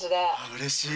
うれしい。